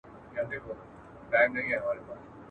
نور مي د سپوږمۍ په پلوشو خیالونه نه مینځم.